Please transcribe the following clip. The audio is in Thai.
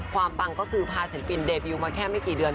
ปังก็คือพาศิลปินเดบิวมาแค่ไม่กี่เดือน